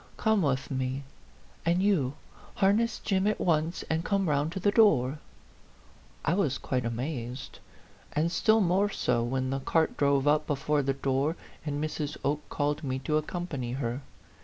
Come with me. And you, harness Jim at once and come round to the door." I was quite amazed ; and still more so when the cart drove up before the door, and Mrs. Oke called me to accompany her.